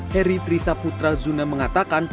heri trisaputra zuna mengatakan